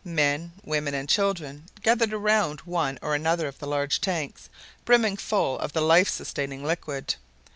Men, women and children gathered around one or another of the large tanks brimming full of the life sustaining liquid.